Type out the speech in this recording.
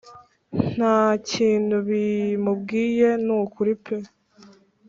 ntakintu bimubwire n'ukuri pe